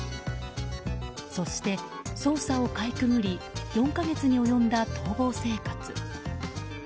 そして、捜査をかいくぐり４か月に及んだ逃亡生活。